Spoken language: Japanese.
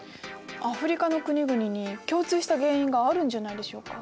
アフリカの国々に共通した原因があるんじゃないでしょうか？